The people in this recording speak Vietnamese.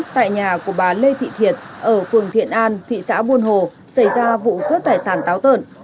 tại nhà của bà lê thị thiệt ở phường thiện an thị xã buôn hồ xảy ra vụ cướp tài sản táo tợn